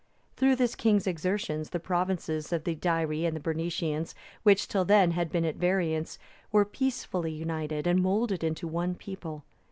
Through this king's exertions the provinces of the Deiri and the Bernicians, which till then had been at variance, were peacefully united and moulded into one people.